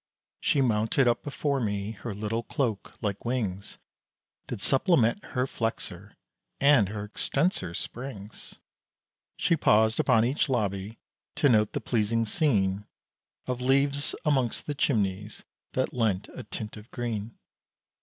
She mounted up before me, her little cloak, like wings, Did supplement her flexor, and her extensor springs, She paused upon each lobby, to note the pleasing scene, Of leaves amongst the chimneys, that lent a tint of green.